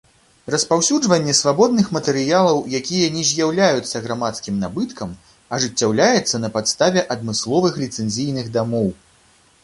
Распаўсюджванне свабодных матэрыялаў, якія не з'яўляюцца грамадскім набыткам, ажыццяўляецца на падставе адмысловых ліцэнзійных дамоў.